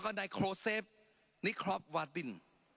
ที่ว่าเทศนิคท็อปวาดิน